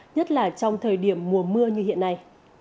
nhất là trong thời điểm mùa mưa như hiện nay